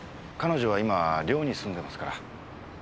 彼女は今寮に住んでますから。